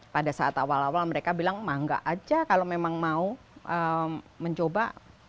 pada saat awal awal mereka bilang mangga aja kalau memang mau mencoba